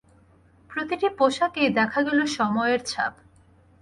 প্রতিটি পোশাকেই দেখা গেল সময়ের ছাপ।